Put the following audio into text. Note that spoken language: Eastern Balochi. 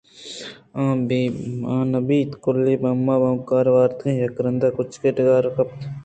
آ نہ بیت کُلّی بمبہئیں بانُکمار ءِ وارتگیں یک رندے کُچکّے وتی ڈگاراں وپتگ اَت